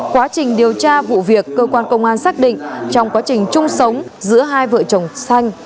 quá trình điều tra vụ việc cơ quan công an xác định trong quá trình chung sống giữa hai vợ chồng xanh